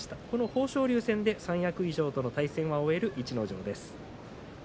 この豊昇龍戦で三役以上との対戦を終えます。